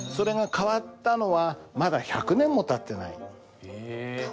変わったのは１００年もたってない？